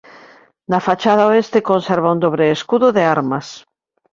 Na fachada oeste conserva un dobre escudo de armas.